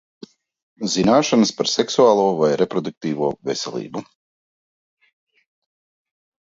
Zināšanas par seksuālo un reproduktīvo veselību.